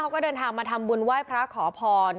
ก็เดินทางมาทำบุญไหว้พระขอพร